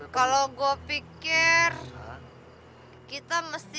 kalau gue pikir kita mesti nambah pengemis kita nih